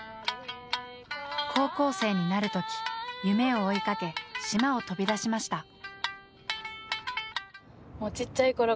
高校生になる時夢を追いかけ島を飛び出しました。